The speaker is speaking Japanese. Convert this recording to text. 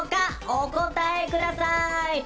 お答えください。